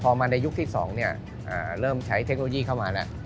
พอมาในยุคที่๒เริ่มใช้เทคโนโลยีเข้ามาแล้ว